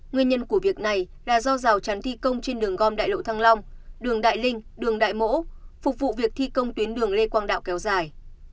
nguyên nhân của việc này là do rào chắn thi công trên đường gom đại lộ thăng long đường đại linh đường đại mỗ phục vụ việc thi công tuyến đường lê quang đạo kéo dài